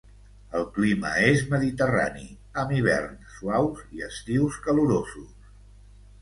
El clima és mediterrani, amb hiverns suaus i estius calorosos.